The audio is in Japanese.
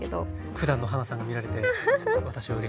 ふだんのはなさんが見られて私はうれしいです。